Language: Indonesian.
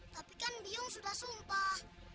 tapi kan biong sudah sumpah